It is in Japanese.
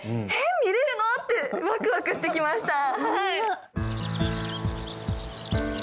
見れるの？ってワクワクしてきました。